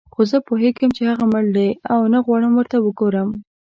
خو زه پوهېږم چې هغه مړ دی او نه غواړم ورته وګورم.